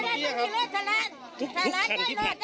พร้อมด้วยผลตำรวจเอกนรัฐสวิตนันอธิบดีกรมราชทัน